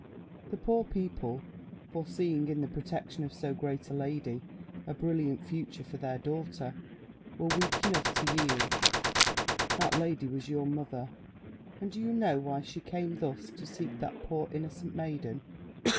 The poor people, foreseeing in the protection of so great a lady a brilliant future for their daughter, were weak enough to yield. That lady was your mother; and do you know why she came thus to seek that poor innocent maiden?